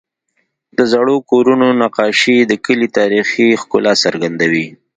د زړو کورونو نقاشې د کلي تاریخي ښکلا څرګندوي.